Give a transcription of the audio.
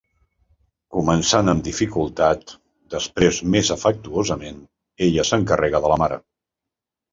Començant amb dificultat, després més afectuosament, ella s'encarrega de la mare.